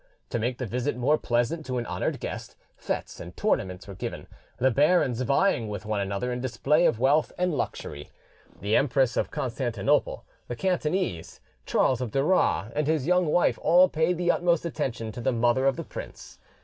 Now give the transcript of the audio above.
To make the visit more pleasant to an honoured guest, fetes and tournaments were given, the barons vying with one another in display of wealth and luxury. The Empress of Constantinople, the Catanese, Charles of Duras and his young wife, all paid the utmost attention to the mother of the prince.